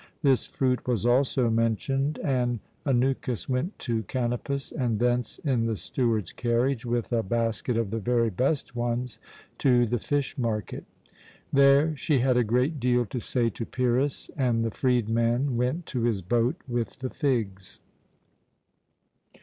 This fruit was also mentioned, and Anukis went to Kanopus, and thence, in the steward's carriage, with a basket of the very best ones to the fish market. There she had a great deal to say to Pyrrhus, and the freedman went to his boat with the figs.